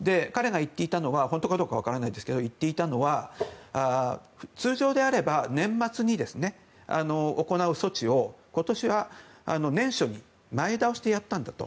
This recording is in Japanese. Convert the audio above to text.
本当かどうかわかりませんが彼が言っていたのは通常であれば年末に行う措置を今年は年初に前倒しでやったんだと。